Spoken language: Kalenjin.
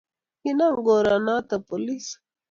Kinam karinoto polis.